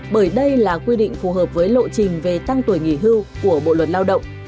bởi đây là quy định phù hợp với lộ trình về tăng tuổi nghỉ hưu của bộ luật lao động